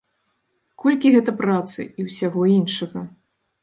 Колькі гэта працы і ўсяго іншага!